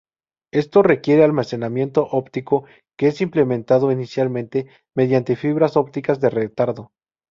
Esto requiere almacenamiento óptico que es implementado inicialmente mediante fibras ópticas de retardo.